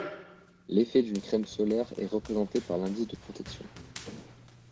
L'effet d'une crème solaire est représentée par l'indice de protection.